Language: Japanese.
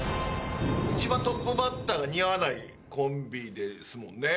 １番トップバッターが似合わないコンビですもんね。